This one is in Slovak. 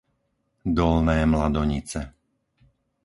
Dolné Mladonice